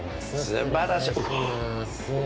すばらしい。